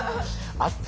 あった。